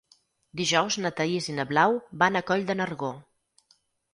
Dijous na Thaís i na Blau van a Coll de Nargó.